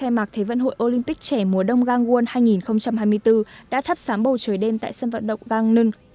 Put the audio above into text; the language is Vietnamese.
đại hội thế vận hội olympic trẻ mùa đông kangwon hai nghìn hai mươi bốn đã thắp sáng bầu trời đêm tại sân vận động gangneung